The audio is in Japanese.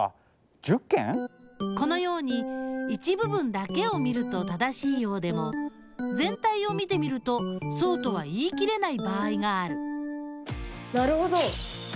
このように一部分だけを見ると正しいようでもぜん体を見てみるとそうとは言い切れない場合があるなるほど！